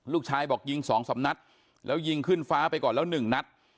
ลูกชายบอกยิง๒๓นัดแล้วยิงขึ้นฟ้าไปก่อนแล้ว๑นัด